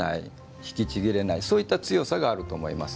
引きちぎれないそういった強さがあると思います。